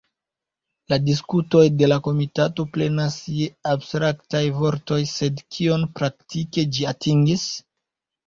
La diskutoj de la komitato plenas je abstraktaj vortoj, sed kion praktike ĝi atingis?